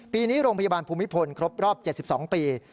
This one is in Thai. ปีนี้โรงพยาบาลภูมิพลครบรอบ๗๒ปี